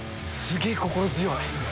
すげえ心強い。